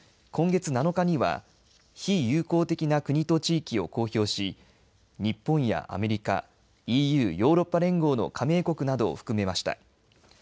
今月７日には非友好的な国と地域を公表し日本やアメリカ、ＥＵ・ヨーロッパ連合の加盟国などを含めました。